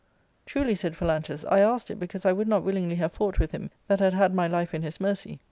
" Truly," said Phalantus, " I asked it because I would not willingly have fought with him that had had my life in his mercy.